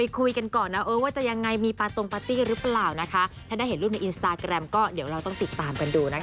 กูก็อย่างเป็นเพื่อนเขาเสมอ